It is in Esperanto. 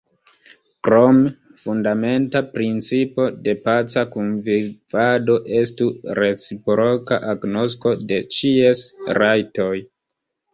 Krome, fundamenta principo de paca kunvivado estu reciproka agnosko de ĉies rajtoj.